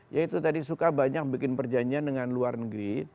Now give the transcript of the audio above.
ya itu tadi suka banyak bikin perjanjian dengan luar negeri